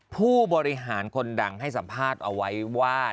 ผู้บริหารคนดังให้สัมภาษณ์เอาไว้ว่า